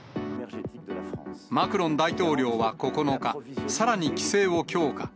マクロン大統領は９日、さらに規制を強化。